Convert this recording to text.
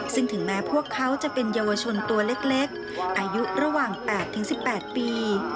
ซึ่งถึงแม้พวกเขาจะเป็นเยาวชนตัวเล็กอายุระหว่าง๘๑๘ปี